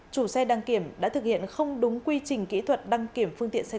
chủ xe đăng kiểm đã thực hiện không đúng quy trình kỹ thuật đăng kiểm phương tiện xe